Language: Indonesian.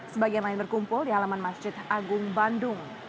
sebagian lain berkumpul di halaman masjid agung bandung